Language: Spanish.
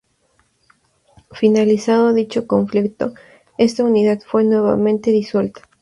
Finalizado dicho conflicto, esta unidad fue nuevamente disuelta.